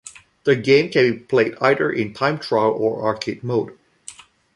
The game can be played either in time trial or arcade mode.